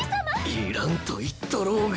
いらんと言っとろうが。